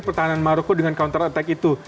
pertahanan maroko dengan counter attack itu